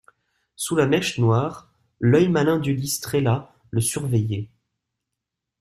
Sous la mèche noire, l'œil malin d'Ulysse Trélat le surveillait.